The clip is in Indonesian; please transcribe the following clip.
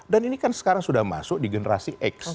dan ini kan sekarang sudah masuk di generasi x